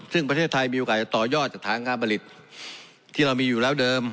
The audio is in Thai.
ซึ่งประเทศไทยมีโอกาสต่อยอดจากฐานการผลิตที่เรามีอยู่แล้วเดิม